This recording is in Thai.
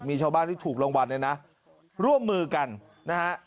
มีชาวบ้านที่ถูกรางวัลเนี่ยนะร่วมมือกันนะฮะ